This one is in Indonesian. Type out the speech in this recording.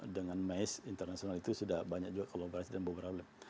dengan mais internasional itu sudah banyak juga kolaborasi dan beberapa lab